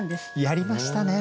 やりましたね